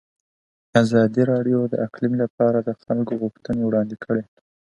ازادي راډیو د اقلیم لپاره د خلکو غوښتنې وړاندې کړي.